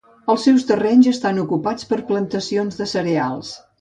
Els seus terrenys estan ocupats per plantacions de cereals.